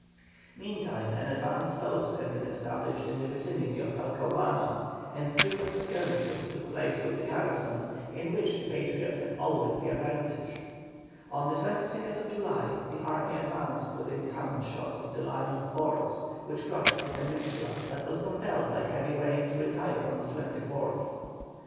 Meantime an advanced post had been established in the vicinity of Talcahuano, and frequent skirmishes took place with the garrison, in which the Patriots had always the advantage. On the 22nd July the army advanced within cannon shot of the line of forts which crossed the peninsula, but was compelled by heavy rain to retire on the 24th.